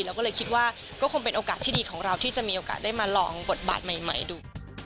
เราก็เลยคิดว่าก็คงเป็นโอกาสที่ดีของเราที่จะมีโอกาสได้มาลองบทบาทใหม่ดู